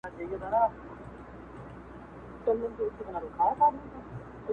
• اوبه په ډانگ نه بېلېږي -